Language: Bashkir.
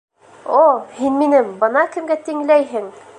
О, һин мине бына кемгә тиңләйһең!